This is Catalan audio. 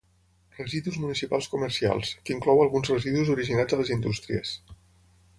Residus municipals comercials, que inclou alguns residus originats a les indústries.